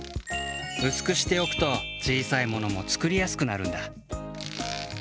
うすくしておくとちいさいものも作りやすくなるんだ。